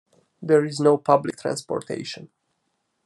There is no public transportation.